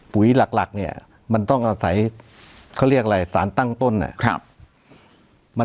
ปุ๋ยหลักเนี่ยมันต้องอาศัยเขาเรียกอะไรสารตั้งต้น